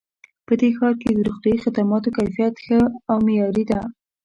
په دې ښار کې د روغتیایي خدماتو کیفیت ښه او معیاري ده